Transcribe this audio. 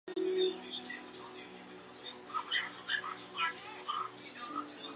杜埃钟楼是法国北部大区城市杜埃的一座历史建筑。